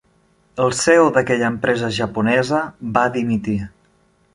El CEO d'aquella empresa japonesa va dimitir.